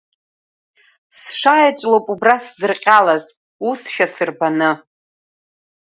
Сшаеҵә лоуп убра сзырҟьалаз, усшәа сырбаны!